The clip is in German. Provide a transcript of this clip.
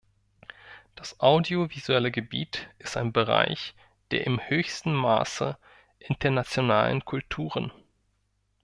Das audiovisuelle Gebiet ist ein Bereich der im höchsten Maße internationalen Kulturen.